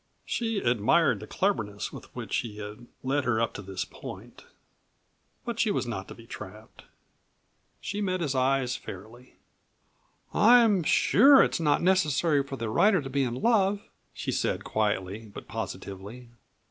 She admired the cleverness with which he had led her up to this point, but she was not to be trapped. She met his eyes fairly. "I am sure it is not necessary for the writer to be in love," she said quietly but positively.